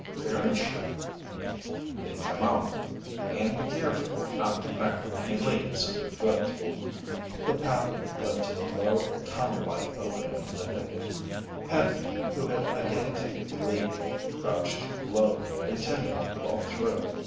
"Very sure." "Then come on. And be keerful not to crackle any leaves underfoot." The path led to a low, tunnellike opening in the thicket. Penny, who again had taken the lead, crouched low, intending to crawl through.